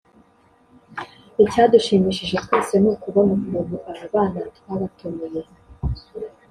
" Icyadushimishije twese ni ukubona ukuntu aba bana twabatumiye